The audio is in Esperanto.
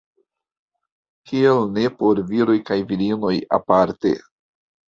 Kial ne por viroj kaj virinoj aparte?